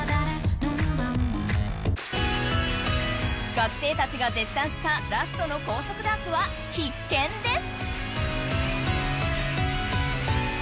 学生たちが絶賛したラストの高速ダンスは必見です。